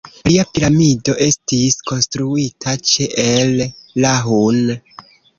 Lia piramido estis konstruita ĉe El-Lahun.